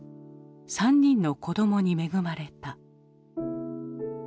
３人の子どもに恵まれた。